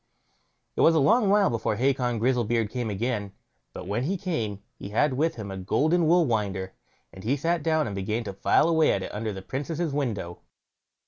It was a long while before Hacon Grizzlebeard came again; but when he came he had with him a golden wool winder, and he sat down and began to file away at it under the Princess' window.